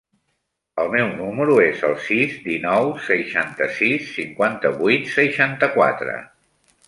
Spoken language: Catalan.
El meu número es el sis, dinou, seixanta-sis, cinquanta-vuit, seixanta-quatre.